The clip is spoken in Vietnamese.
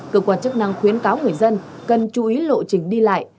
cơ quan chức năng khuyến cáo người dân cần chú ý lộ trình đi lại